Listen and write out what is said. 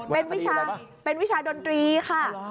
เป็นวิชาเป็นวิชาดนตรีค่ะ